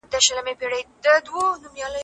موږ د خپلو مړو او ژوندیو ادیبانو قدر کوو.